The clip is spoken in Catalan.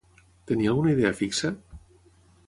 Tenia alguna idea fixa?